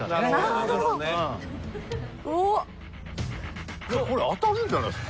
でもこれ当たるんじゃないですか？